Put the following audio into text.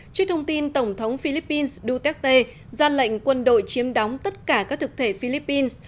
trước thông tin tổng thống philippines duterte ra lệnh quân đội chiếm đóng tất cả các thực thể philippines